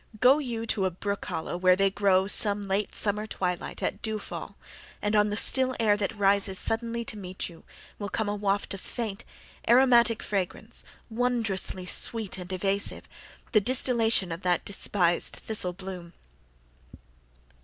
Go you to a brook hollow where they grow some late summer twilight at dewfall; and on the still air that rises suddenly to meet you will come a waft of faint, aromatic fragrance, wondrously sweet and evasive, the distillation of that despised thistle bloom.